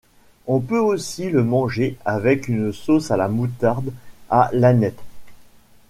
On peut aussi le manger avec une sauce à la moutarde à l'aneth.